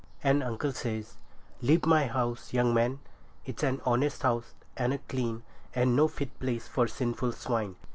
And uncle says— 'Leave my house, young man; it's an honest house and a clean, and no fit place for a sinful swine.